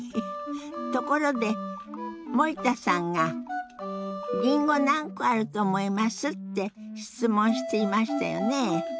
ところで森田さんが「りんご何個あると思います？」って質問していましたよね。